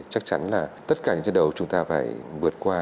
chắc chắn là tất cả những trận đấu chúng ta phải vượt qua